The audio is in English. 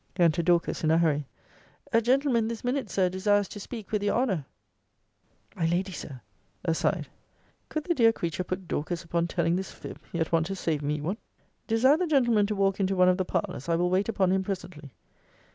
Enter Dorcas, in a hurry. A gentleman, this minute, Sir, desires to speak with your honour [My lady, Sir! Aside.] Could the dear creature put Dorcas upon telling this fib, yet want to save me one? Desire the gentleman to walk into one of the parlours. I will wait upon him presently.